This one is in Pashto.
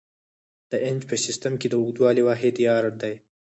د انچ په سیسټم کې د اوږدوالي واحد یارډ دی.